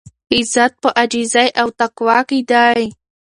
عزت په عاجزۍ او تقوا کې دی.